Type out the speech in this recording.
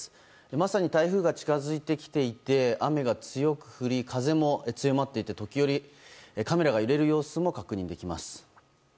まさに台風が近づいてきていて雨が強く降り、風も強まっていて時折、カメラが揺れる様子も確認できます。